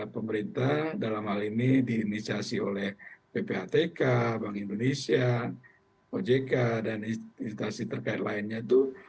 pemerintah dalam hal ini diinisiasi oleh ppatk bank indonesia ojk dan instansi terkait lainnya itu